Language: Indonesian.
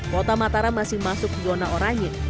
kota mataram masih masuk zona oranye